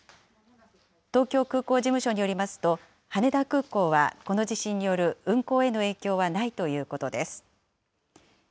東京空港事務所によりますと、羽田空港は、この地震による運航への影響はないということです。